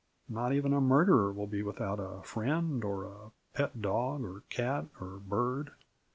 Not even a murderer will be without a friend or a pet dog or cat or bird.